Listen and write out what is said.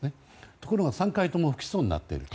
ところが３回とも不起訴になっている。